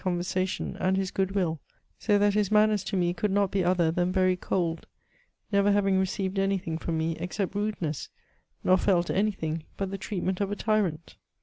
'eonversation, and his good will ; so that his manners to me could not be other than very cold, never having received apy thing from^ me except rudeness, nor felt any thing but the treatmept of a tyrant